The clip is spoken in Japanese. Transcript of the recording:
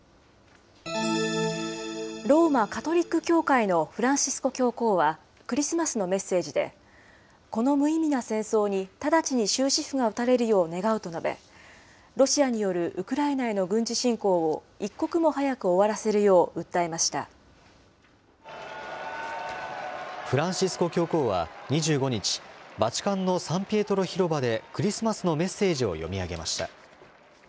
ローマ・カトリック教会のフランシスコ教皇は、クリスマスのメッセージで、この無意味な戦争に直ちに終止符が打たれるよう願うと述べ、ロシアによるウクライナへの軍事侵攻を一刻も早く終わらせるようフランシスコ教皇は２５日、バチカンのサンピエトロ広場でクリスマスのメッセージを読み上げました。